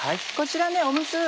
こちら水